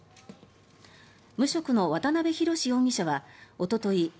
無職の渡辺宏容疑者はおととい